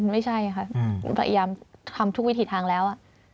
ไม่ใช่ค่ะพยายามทำทุกวิถีทางแล้ว